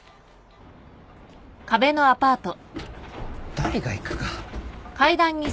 誰が行くか。